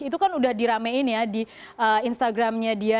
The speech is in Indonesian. itu kan udah diramein ya di instagramnya dia